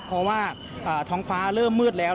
เพราะว่าท้องฟ้าเริ่มมืดแล้ว